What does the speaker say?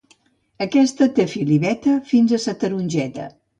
Aquesta té fil i veta fins a sa tarongeta